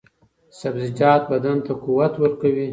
سبزیجات بدن ته قوت ورکوي.